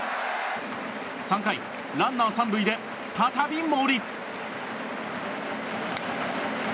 ３回、ランナー３塁で再び森。